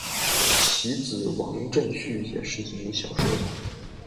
其子王震绪也是一名小说家。